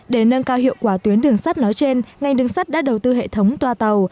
để nâng cao hiệu quả tuyến đường sắt nói trên ngành đường sắt đã đầu tư hệ thống toa tàu